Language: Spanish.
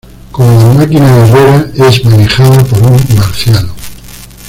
Como la máquina guerrera, es manejada por un marciano.